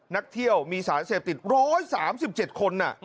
นักเที่ยวมีสารเสพติด๑๓๗คน